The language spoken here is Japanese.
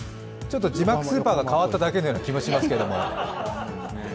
字幕スーパーが変わっただけのような気がしますけれども。